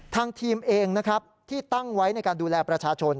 ทางทีมเองนะครับที่ตั้งไว้ในการดูแลประชาชน